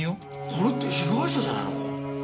これって被害者じゃないのか？